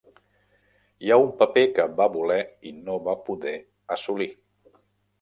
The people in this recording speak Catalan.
Hi ha un paper que va voler i no va poder assolir.